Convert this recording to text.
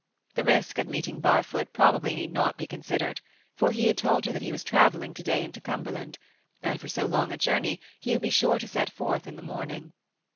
The risk of meeting Barfoot probably need not be considered, for he had told her that he was travelling to day into Cumberland, and for so long a journey he would be sure to set forth in the morning.